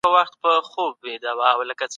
نن ورځ د دولت فعاليتونه مؤلد ګڼل کېږي.